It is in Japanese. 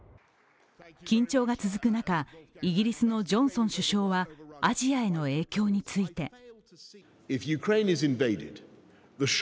緊張が続く中、イギリスのジョンソン首相はアジアへの影響について。